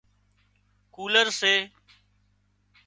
ڪُولر سي